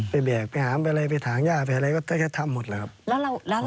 ไปแบกไปหาอะไรไปถางหญ้าไปทำอะไรก็แค่ทำหมดละครับ